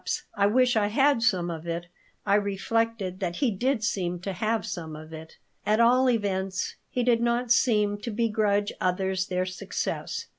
I wish I had some of it." I reflected that he did seem to have some of "it." At all events, he did not seem to begrudge others their success.